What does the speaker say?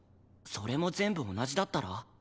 それも全部同じだったら？